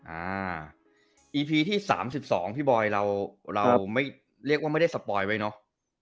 อ่าอีพีที่๓๒พี่บอยเราเราไม่เรียกว่าไม่ได้สปอยไว้เนอะ